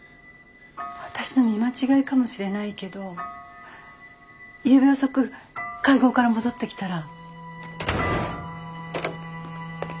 私の見間違いかもしれないけどゆうべ遅く会合から戻ってきたら。